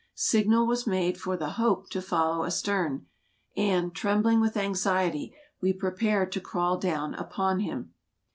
Signal was made for the " Hope " to follow astern, and, trembling with anxiety, we prepared to crawl down upon him.